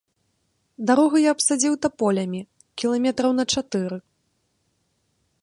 Дарогу я абсадзіў таполямі кіламетраў на чатыры.